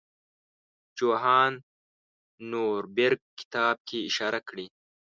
جوهان نوربیرګ کتاب کې اشاره کړې.